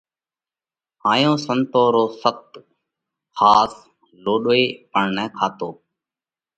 هائيون سنتون رو ست (ۿاس) لوڏو ئي پڻ نه کاتو۔